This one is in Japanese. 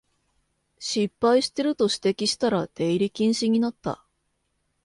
失敗してると指摘したら出入り禁止になった